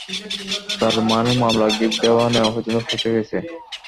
তার মানে মামলা গিফট দেওয়া নেওয়া পর্যন্ত পৌঁছে গেছে!